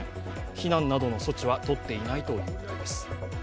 避難などの措置はとっていないということです。